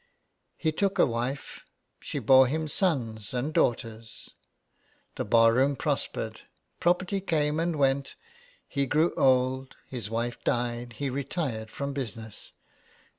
He took a wife, she bore him sons and daughters, the bar room prospered, property came and went ; he grew old, his wife died, he retired from business, and 172 HOME SICKNESS.